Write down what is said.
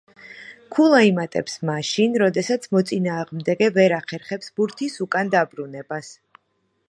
ქულა იმატებს მაშინ, როდესაც მოწინააღმდეგე ვერ ახერხებს ბურთის უკან დაბრუნებას.